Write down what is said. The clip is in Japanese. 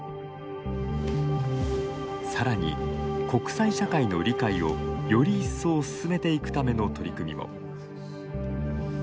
さらに、国際社会の理解をより一層進めていくための取り組みも。